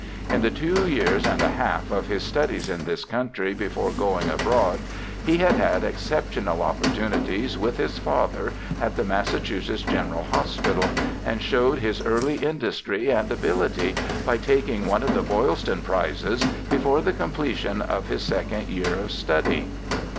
In the two years and a half of his studies in this country before going abroad he had had exceptional oppor tunities with his father at the Massachusetts General Hospital, and showed his early industry and ability by taking one of the Boylston Prizes before the com pletion of his second year of study.